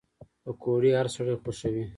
پکورې هر سړی خوښوي